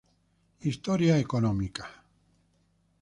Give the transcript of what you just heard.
Historia económica